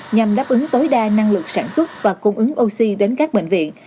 nhằm đáp ứng tối đa năng lực sản xuất và cung ứng oxy đến các bệnh viện